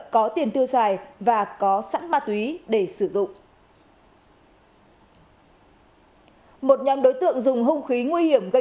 có tiền tiêu xài và có sẵn ma túy để sử dụng một nhóm đối tượng dùng hung khí nguy hiểm gây